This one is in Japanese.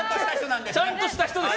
ちゃんとした人です。